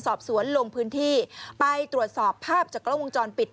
สอบสวนลงพื้นที่ไปตรวจสอบภาพจากกล้องวงจรปิด